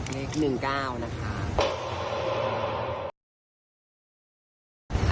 เลข๑๙นะคะ